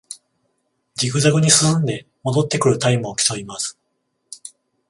ジグザグに進んで戻ってくるタイムを競います